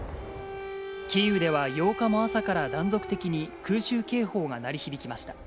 キーウでは８日も朝から断続的に空襲警報が鳴り響きました。